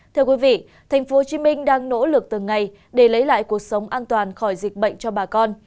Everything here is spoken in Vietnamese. thưa quý vị tp hcm đang nỗ lực từng ngày để lấy lại cuộc sống an toàn khỏi dịch bệnh cho bà con